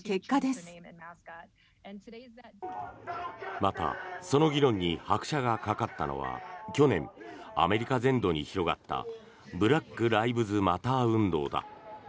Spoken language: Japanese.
また、その議論に拍車がかかったのは去年、アメリカ全土に広がったブラック・ライブズ・マター運動だ。